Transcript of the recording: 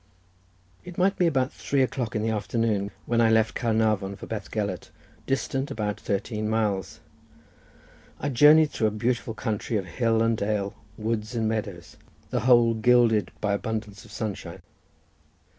It might be about three o'clock in the afternoon when I left Caernarvon for Bethgelert, distant about thirteen miles. I journeyed through a beautiful country of hill and dale, woods and meadows, the whole gilded by abundance of sunshine.